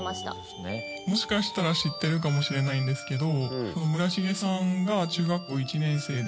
「もしかしたら知ってるかもしれないんですけど」